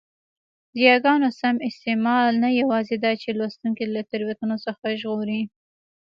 د یاګانو سم استعمال نه یوازي داچي لوستوونکی له تېروتنو څخه ژغوري؛